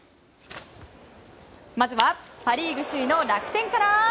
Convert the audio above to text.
まずはパ・リーグ首位の楽天から。